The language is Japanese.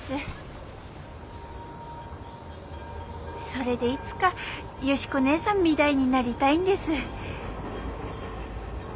それでいつか芳子ねえさんみだいになりだいんです。